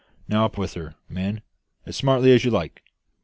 "Now, up with her, men, as smartly as you like!"